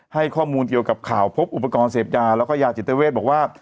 ให้ข้อมูลเกี่ยวกับข่าวพบอุปกรณ์เสพยาแล้วก็ยาจิตเวทบอกว่า